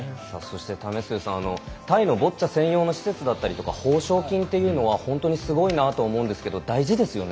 為末さん、タイのボッチャ専用施設だったり報奨金というのは本当にすごいと思うんですが大事ですよね。